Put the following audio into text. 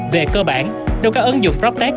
về cơ bản nếu các ứng dụng proptech